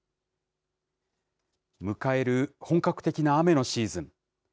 迎える本格的な雨のシーズン。